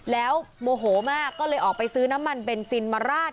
แล้วโมโหมากก็เลยออกไปซื้อน้ำมันเบนซินมาราด